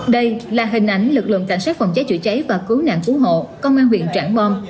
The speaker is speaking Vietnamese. đây là hình ảnh lực lượng cảnh sát phòng cháy chữa cháy và cứu nạn cứu hộ công an huyện trảng bom